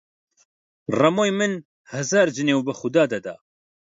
ڕەمۆی من هەزار جنێو بە خودا دەدا!